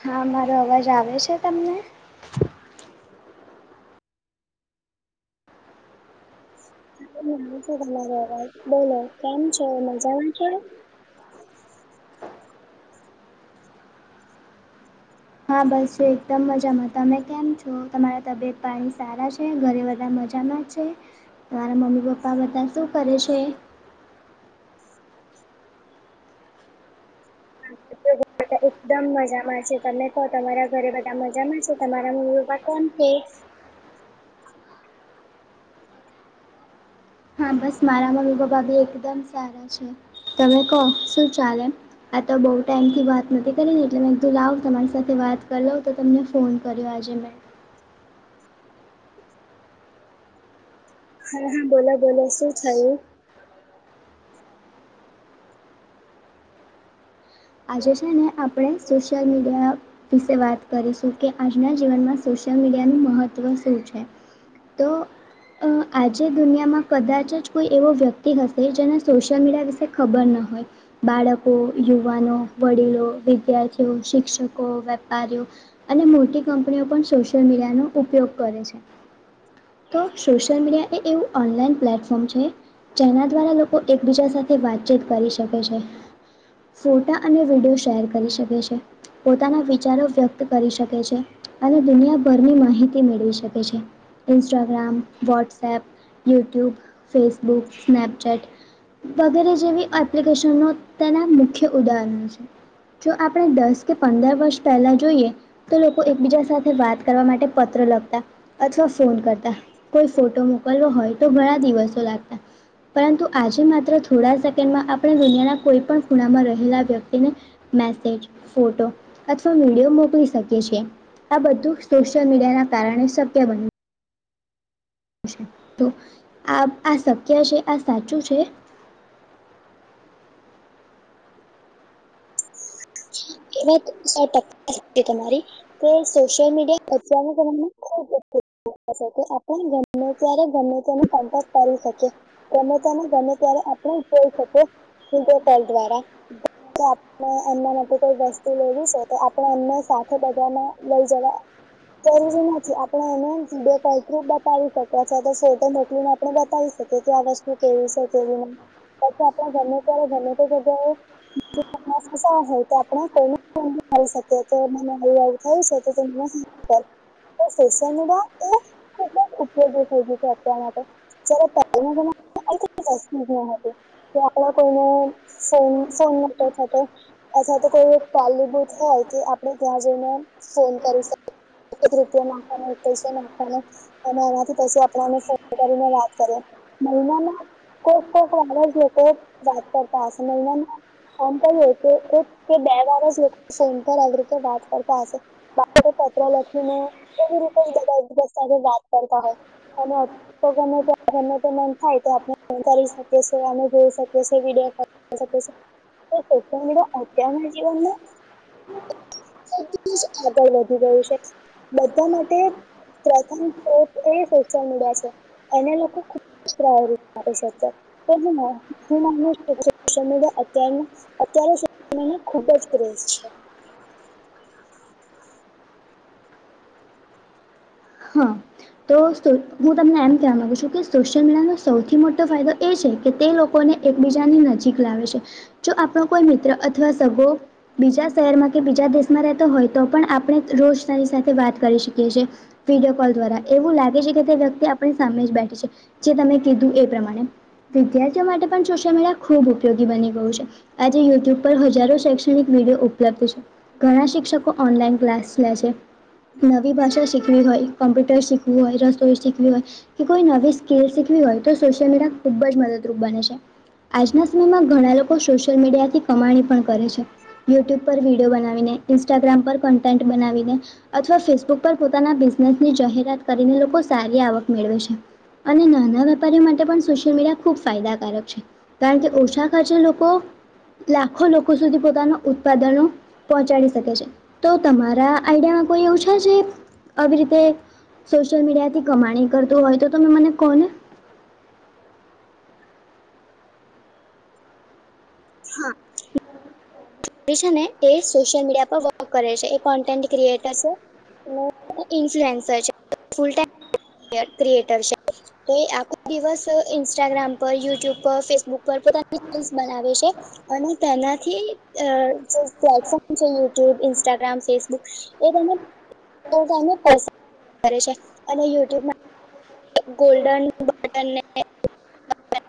હા, મારો અવાજ આવે છે તમને? મ છે બ બોલો કેમ છે? મજા એ છે. હા, બસ જો એકદમ મજામાં. તમે કેમ છો? તમારા તબિયત પાણી સારા છે. છે. ઘરે બધા મજામાં છે, તમારા મમ્મી-પપ્પા બધા શું કરે છે? બધા એકદમ મજામાં છે. તને કહો તમારા ઘરે બધા મજામાં છે? તમારા મા કોણ કે હા, બસ મારા મમ્મી-પપ્પા બી એકદમ સારા છે, તમે કહો શું? ચાલે. આ તો બઉુ ટાઈમ થી વાત નથી કરી ને, એટલે મેં એકધું લાવ તમારી સાથે વાત કરી લઉ. તમને ફોન કર્યો આજે મેં. હા, હા, બોલો બોલો શું થાય? આજે છે ને, આપણે સોશિયલ મીડિયા વિશે વાત કરીશું કે, આજના જીવનમાં. સોશિયલ મીડિયાનું મહત્ત્વ શું છે, તો આજે દુનિયામાં કદાચ જ કોઈ એવો વ્યક્તિ હશે, જેને સોશિયલ મીડિયા વિશે ખબર ન હોય. બાળકો, યુવાનો, વડીલો, વિદ્યાર્થીઓ, શિક્ષકો, વેપારીઓ. અને મોટી કંપનીઓ પણ સોશિયલ મીડિયાનો ઉપયોગ કરે છે. તો સોશિયલ મીડિયા એ એવું ઓનલાઈન પ્લેટફોર્મ છે. જેના દ્વારા લોકો એકબીજા સાથે વાતચીત કરી શકે છે. ફોટા અને વિડીયો શૅર કરી શકે છે, પોતાના વિચારો વ્યક્ત કરી શકે છે. અને દુનિયાભરની માહિતી મેળવી શકે છે. Instagram, WhatsApp, YouTube, Facebook, Snapchat. વગેરે જેવી એપ્લિકેશનો તેના મુખ્ય ઉદાહરણો છે. જો આપણે દસ કે, પંદર વર્ષ પહેલાં જોઈએ. તો લોકો એકબીજા સાથે વાત કરવા માટે, પત્ર લખતા. અથવા ફોન કરતા કોઈ ફોટો મોકલવો હોય તો, ઘણા દિવસો લાગતા. પરંતુ આજે માત્ર થોડા સેકન્ડમાં, આપણે દુનિયાના કોઈ પણ ખૂણામાં રહેલા વ્યક્તિને મેસેજ ફોટો અથવા વિડીયો મોકલી શકે છે. આ બધું સોશિયલ મીડિયા ના કારણે શક્ય બન્યું. તો આ આ શક્ય છે, આ સાચું છે. એ સો ટકા તમારી. કે સોશિલ મીડિયા અચાનકને ખ ઉપર. ન ત્યારે ગમે, તેને કન્ટેક્ટ કરી શકે. ગમે તમે ગમે ત્યારે આપણે જોઈ શકો. હ, કોલ દ્વારા મના. કોઈ વસ્તુ લેવી છે તો આપણેે અમને સાથે બધામાં લઈ જવા જરૂરી નથી આપડડે એને વિડીયો કોલ થ્રુ બતાવી શકીએ છે તો ફોટો મોકલી ને આપડે બ થઈ શકે કે આ વસ્તુ કેવી છે કેવી નહીં પછી આપણે ગમે ત્યારે ગમે તો જગ્યાએ [unintelligible] થઇ શકે તો મને આવું થયું છે તો [inaudible] કર તો સોસીયલ મીડિયા એ ખુબ જ ઉપયોગી થઈ ગયુ છે અત્યાર માટે [unintelligible] કે આપડા કોઈને [unintelligible] કોઈ એક પાર્લેબુક હોય તે આપડે ત્યાં જઈને ફોન કરી શકીએ એક જ રૂપિયા નાખવાનો એક પૈસા નાખવાનો અને એનાથી પછી આપણાને ફોન કરીને વાત કરે મહિનામાં કોટ કોટ લોકો વાત કરતા હશે [unintelligible] કે બે વારસ શયંકર આવી રીતે વાત કરતા હશે પત્ર લખવું એવી રીતે એક બીજા સાથે વાત કરતા હોય અને અ તો ગમેને તો મન થાય તો આપણે કરી શકી અમે જોઈ શકીએ વિડીયો કોલ શકે છે તો સોશિઅલ મીડિયા અત્યારના જીવનમાં આગળ વધી ગયું છે બધા માટે પ્રથમ એ સોશિયલ મીડિયા છે એના લોકો ખુબ પ્રાવરી કરી શકે અત્યાર અત્યારે [unintelligible] મે ખુબ જ [unintelligible] છે હા તો હું તમને એમ કહેવા માંગુ છું કે સોશિયલ મીડિયાનો સૌથી મોટો ફાયદો એ છે કે તે લો કોને એકબીજાની નજીક લાવે છે જો આપણો કોઈ મિત્ર અથવા સગો બીજા શહેરમાં કે બીજા દેશમાં રહેતો હોય તો પણ આપણે રોજ તારી સાથે વાત કરી શકીએ છી વિડીયો કોલ દ્વારા એવું લાગે છે કે તે વ્યક્તિ આપણી સામે જ બેઠે છે જે તમે કીધું એ પ્રમાણે વિદ્યાર્થીઓ માટે પણ સોશિયલ મીડિયા ખુબ ઉપયોગી બની ગયું છે આજે યુટ્યુબ પર હજારો શૈક્ષણિક વિડીયો ઉપલબ્ધ છે ઘણા શિક્ષકો ઓનલાઈન ક્લાસ લે છે નવી ભાષા શી કમ્પ્યુટર શિખવુ હો રઈ શીખવી હોય કે કોઈ નવી સ્કીલ શીખવી હોય તો સોશિયલ મીડિયા ખુબ જ મદદરૂપ બને છે આજના સમયમાં ઘણા લોકો સોશિયલ મીડિયાથી કમાણી પણ કરે છે યુટ્યુબ પર વિડીયો બનાવીને ઇન્સ્ટાગ્રામ પર કન્ટેન્ટ બનાવીને અથવા ફેસબુક પર પોતાના બિઝનેસ ની જાહેરાત કરીને લોકો સારી આવક મેળવે છે અને નાના વેપારીઓ માટે પણ સોશિયલ મીડિયા ખુબ ફાયદાકારક છે કારણ કે ઓછા ખાચ લોકો લાખો લોકો સુધી પોતાના ઉત્પાદનો પહોંચાડી શકે છે તો તમારા આઈડિયામાં કોઈ એવું છે આવી રીતે સોશિયલ મીડિયા થી કમાણી કરતું હોય તો તમે મને કહો ને હા છે ને એ સોશિયલ મીડિયા પર વર્ક કરે છે એ કોન્ટેન્ટ ક્રિએટર છે ઈન્ફ્લુએન્સર છે ફુલ ટાઈમ ક્રિએટર છે તો આખો દિવસ ઇન્સ્ટાગ્રામ પર યુટ્યુબ પર ફેસબુક પર પોતાની ફિલ્મસ બનાવે છે અને તેનાથી જે પ્લેટફોર્મ છે યુટ્યુબ ઇન્સ્ટાગ્રામ ફેસબુક એ તને પસંદ કરે છે અને યુટ્યુબમાં ગોલ્ડન બટન ને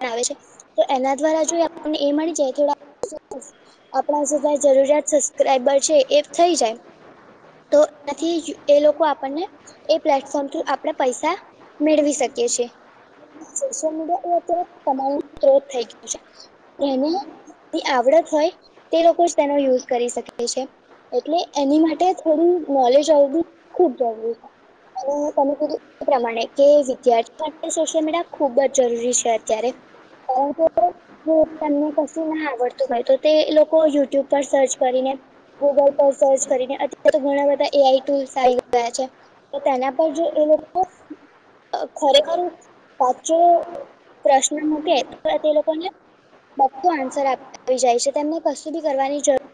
આવે છે તો એના દ્વારા જો આપને એ મળી જાય થોડા આપણા [unintelligible] જરૂરિયાત સબસ્ક્રાઈબર છે એ થઇ જાય તો એથી એ લોકો આપણને એ પ્લેટફોર્મ થ્રુ આપડે પૈસા મેળવી શકીએ છે સોશિયલ મીડિયા એ અત્યારે [inaudible] થઈ ગયો છે તેને આવડત હોય તે લોકો જ તેનો યુઝ કરી શકે છે એટલે એની માટે થોડું નોલેજ આવધું ખુબ જરૂરી છે. અને તમે કું પ્રમાણે કે વિદ્યાર્થીઓ માટે શિક્ષણ મેળા ખુબ જ જરૂરી છે અત્યારે કારણ કે કે તમને કશું ના આવડતું હોય તો તે લોકો યુટ્યુબ પર સર્ચ કરીને ગૂગલ પર સર્ચ કરીને અત્યારે તો ઘણા બધા એ આઈ ટુલ્સ આવી ગયા છે. તો તેના પજી એ લોકો ખરેખર સાચો પ્રશ્ન મૂકે તો તે લોકોને. બધું આન્સર આપ આવી જાય છે તેમને કશું બી કરવાની જરૂર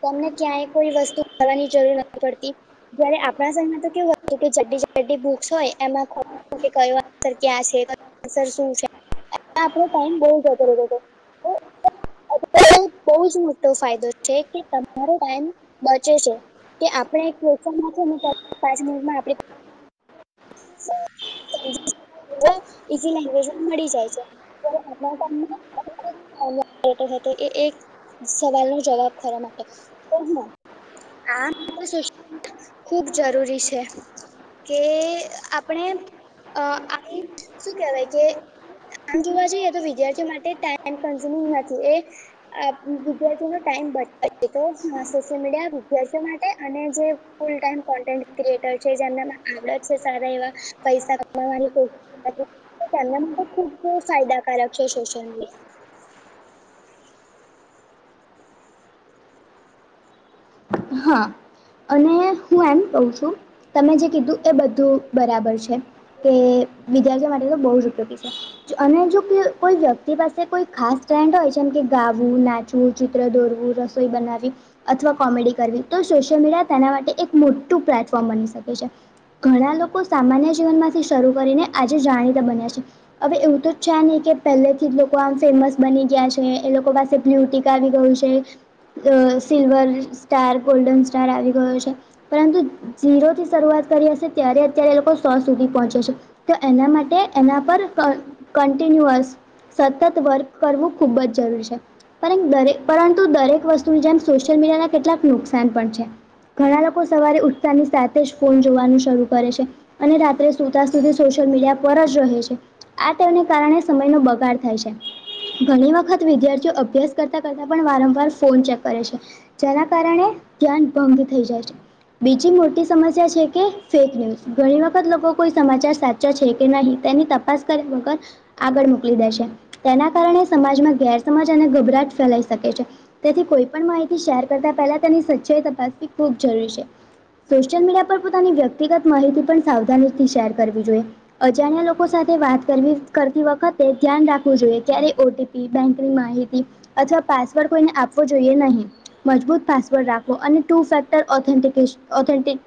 તમને ક્યાંય કોઈ વસ્તુ કરવાની જરૂર નથી પડતી જયારે આપણા સમમાં તો કેવું હતું કે જાડી જાડી બુક્સ હોય. એમાં ખોટું કે કઈ વાત પર ક્યાં છે અસર શું છે. આપણો ટાઈમ બહુ જતો રહેતો તો [unintelligible] બહુ જ મોટો ફાયદો છે કે તમારો ટાઈમ બચે છે. કે આપણે ક્યુએશન મા છેને, પાંચ મિનિટમા આપણે ઈઝી લેંગ્વેજમાં મળી જાય છે. આપ સા સવાલ નો જવાબ ખોરવા માટે પણ આ તો ખુબ જરૂરી છે કે આપણે આ આપણી શું કેહેવાય કે આમ જોવા જઈએ તો વિદ્યાર્થીઓ માટે ટાઈમ કન્ઝ્યુમિંગ નથી એ વિદ્યાર્થીઓનો ટાઈમ બચાવે તો સોશિયલ મીડિયા વિદ્યાર્થીઓ માટે અને જે ફૂલ ટાઈમ કોન્ટેન્ટ ક્રિએટર છે જેમનામાં આડત છે, સારા એવા પૈસા કમાવાની ના ખૂબજ ફાયદાકારક છે, સોશિયલ મીડિયા હા અને હું એમ કઉ છુ, તમે જે કીધુ એ બધુ બરાબર છે. તે વિદ્યાર્થીઓ માટે તો બહુ જ ઉપયોગી છે. અને જો કોઈ વ્યક્તિ પાસે કોઈ ખાસ ટેલેન્ટ હોય, જેમ કે ગાવું નાચવુ ચિત્ર દોરવું રસોઈ બનાવી અથવા કોમેડી કરવી તો સોશિયલ મીડિયા તેના માટે એક મોટુ પ્લેટફોર્મ બનશે ઘણા લોકો સામાન્ય જીવન માંથી શરૂ કરીને આજે જાણીતા બન્યા છે. હવે એવું તો છે, નહી કે પહેલેથી જ લો કો આમ ફેમસ બની ગયા છે એ લોકો પાસે બ્લુ ટિક આવી ગયુ છે. અ સિલ્વર સ્ટાર ગોલ્ડન સ્ટાર આવી ગયો છે. પરંતુ ઝીરો થી શરૂઆત કરી હશે ત્યારે અત્યારે એ લોકો સો સુધી પહોંચે છે. તો એના માટે એના પર કન્ટિન્યુઅસ સતત વર્ક કરવું ખૂબ જ જરૂરી છે. પર દરેક પરંતુ દરેક વસ્તુની જેમ સોશિયલ મીડિયાના કેટલાક નુકસાન પણ છે ઘણા લોકો સવારે ઉત્સાહની સાથે જ ફોન જોવાનું શરૂ કરે છે. અને રાત્રે સુતા સુધી સોશિયલ મીડિયા પર જ રહે છે. આ તેને કારણે સમય નો બગાડ થાય છે. ઘણી વખત વિદ્યાર્થીઓ અભ્યાસ કરતા કરતા પણ વારંવાર ફોન ચેક કરે છે. જેના કારણે ધ્યાન ભંગ થઈ જાય છે બીજી મોટી સમસ્યા છે. કે ફેક ન્યૂઝ ઘણી વખત લોકો કોઈ સમાચાર સાચા છે, કે નહી તેની તપાસ કર્યા વગર આગળ મોકલી દે છે તેના કારણે સમાજમા ગેરસમાજ અને ગભરાટ ફેલાઈ શકે છે. તેથી કોઈ પણ માહિતી શેર કરતાં પહેલા તેની સચાઈ તપાસવી ખબ જરૂરી છે સોશિયલ મીડિયા પર પોતાની વ્યક્તિગત માહિતી પણ સાવધાથી શેર કરવી જોઈએ અજાણ્યા લોકો સાથે વાત કરવી કરતી વખતે ધ્યાન રાખવું જોઈએ ક્યારેય ઓટીપી બેંકની માહિતી અથવા પાસવર્ડ કોઈને આપવો જોઈએ, નહી મજબૂત પાસવર્ડ રાખો અને two factor authentication authentic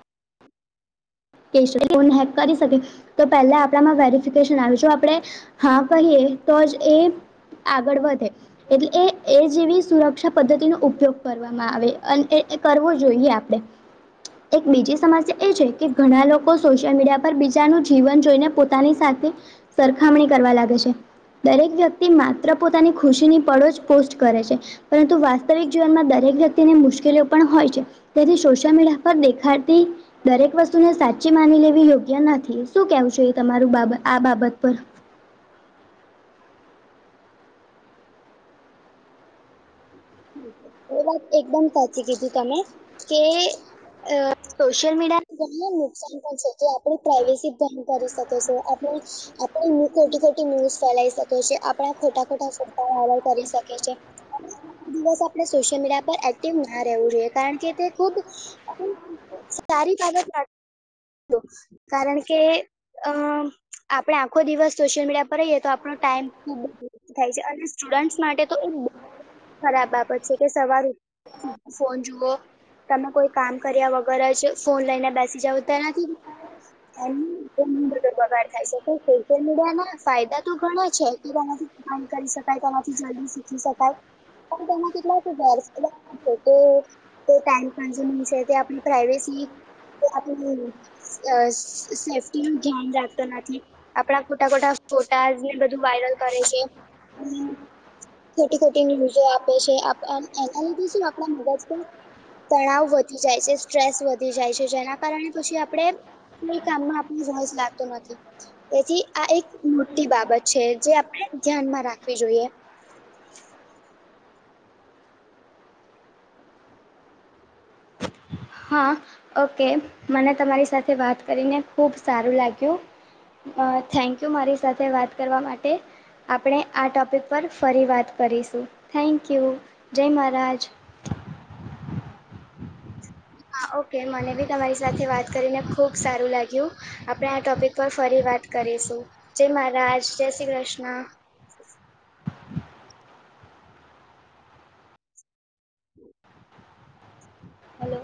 phone hack કરી શકે તો પહેલા આપણામાં વેરિફિકેશન આવે, જો આપણે હા કહીએ તો જ એ આગળ વધે, એટલે એ એ જેવી સુરક્ષા પદ્ધતિનો ઉપયોગ કરવામાં આવે અને કરવો જોઈએ આપડે. એક બીજી સમસ્યા એ છે કે ઘણા લોકો સોશિયલ મીડિયા પર બીજાનું જીવન જોઈને પોતાની સાથે સરખામણી કરવા લાગે છે. દરેક વ્યક્તિ માત્ર પોતાની ખુશીની પળો જ પોસ્ટ કરે છે. પરંતુ વાસ્તવિક જીવનમાં બે દરેક વ્યક્તિને મુશ્કેલી પણ હોય છે, તેથી સોશિયલ મીડિયા પર દેખાતી દરેક વસ્તુને સા ચ માની લેવી યોગ્ય નથી શું કેવું છે એ તમારું બાબ આ બાબત પર. એ વાત એકદમ સાચી કીધું તમે, કે અ સોશિયલ મીડિયા પણ છે કે આપણે પ્રાઇવેસી ભંગ કરી શકી છે આપણે આપણે ખોટી ખોટી ન્યૂઝ ફેલાઈ શકે છે આપણા ખોટા ખોટા શબ્દ કરી શકે છે. દિવસ આપણે સોશિયલ મીડિયા પર એક્ટિવ ના રહેવું જોઈએ કારણ કે તે ખુબ સારી બાબત અ કારણ કે અ આપડે આખો દિવસ સોશિયલ મીડિયા પર રહીએ તો આપણો ટાઈમ ખુબ બ થાય છે અને સ્ટુડન્ટસ માટે તો એક ખરાબ બાબત છે, કે સવાર ઉઢધ ફોન જુઓ. તમે કોઈ કામ કર્યા વગર જ ફોન લઈને બેસી જાવ તેના થી એ ઘ બધો બગાડ થાય છે, સોશિયલ મીડિયા ના ફાયદા તો ઘણા છે કે તેમાંથી આમ કરી શકાય તેમાંથી જલ્દી શીખી શકાય. પણ તેમાં કેટલાક ઘ જે કે તે ટાઈમ કન્ઝ્યુમિંગ છે તે આપણે પ્રાઇવેસી અ સેફ્ટી નું ધ્યાન રાખતો નથી. આપણા ખોટા ખોટા ફોટાઝને બધું વાયરલ કરે છે. ખોટી ખોટી ન્યૂઝો આપે છે આ પ અ એના લીધે શું આપણા મગજ પર તણાવ વધી જાય છે સ્ટ્રેસ વધી જાય છે જેના કારણે પછી આપણે, કોઈ કામમાં આપણ રોજ લાગતો નથી. તેથી આ એક મોટી બાબત છે જે આપણે ધ્યાનમાં રાખવી જોઈએ. હા, ઓકે મને તમારી સાથે વાત કરીને ખુબ સારું લાગ્યું. અ થેન્કયુ મારી સાથે વાત કરવા માટે. આપણે આ ટોપિક પર ફરી વાત કરીશું થેન્ક યુ, જય મહારાજ. હા ઓકે મને બી તમારી સાથે વાત કરીને ખુબ સારું લાગ્યું. આપણે આ ટોપિક પર ફરી વાત કરીશું જય મહારાજ, જય શ્રી કૃષ્ણ. હલો